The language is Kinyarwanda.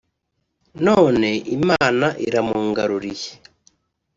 none Imana iramungaruriye